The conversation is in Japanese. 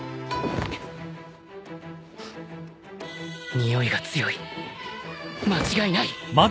においが強い間違いない！